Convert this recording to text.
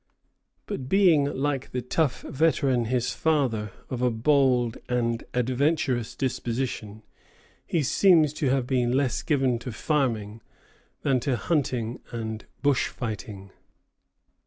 But being, like the tough veteran, his father, of a bold and adventurous disposition, he seems to have been less given to farming than to hunting and bush fighting.